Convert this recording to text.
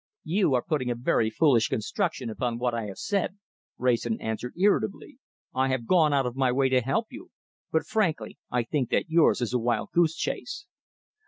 "You are putting a very foolish construction upon what I have said," Wrayson answered irritably. "I have gone out of my way to help you, but, frankly, I think that yours is a wild goose chase."